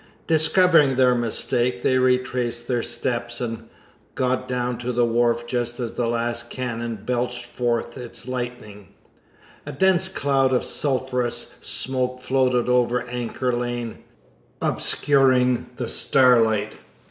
Discovering their mistake, they retraced their steps, and got down to the wharf just as the last cannon belched forth its lightning. A dense cloud of sulphurous smoke floated over Anchor Lane, obscuring the starlight.